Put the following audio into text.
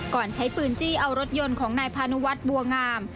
ใช้ปืนจี้เอารถยนต์ของนายพานุวัฒน์บัวงาม